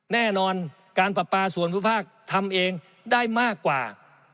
แน่นอนการปรับปลาส่วนภูมิภาคทำเองได้มากกว่า